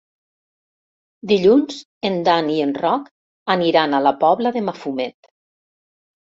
Dilluns en Dan i en Roc aniran a la Pobla de Mafumet.